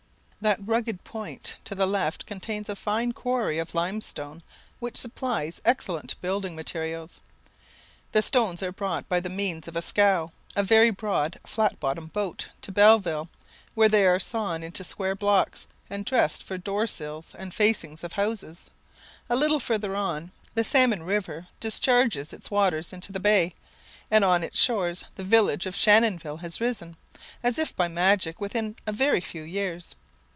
That rugged point to the left contains a fine quarry of limestone, which supplies excellent building materials. The stones are brought by the means of a scow, a very broad flat bottomed boat, to Belleville, where they are sawn into square blocks, and dressed for doors sills and facings of houses. A little further on, the Salmon river discharges its waters into the bay, and on its shores the village of Shannonville has risen, as if by magic, within a very few years.